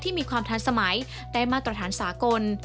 มีความทันสมัยได้มาตรฐานสากล